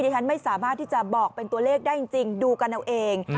ฉันไม่สามารถที่จะบอกเป็นตัวเลขได้จริงดูกันเอาเอง